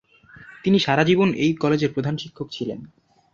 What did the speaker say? তিনি সারা জীবন এই কলেজের প্রধান শিক্ষক ছিলেন।